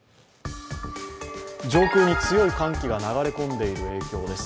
上空に強い寒気が流れ込んでいる影響です。